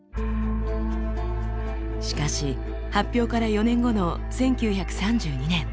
しかし発表から４年後の１９３２年。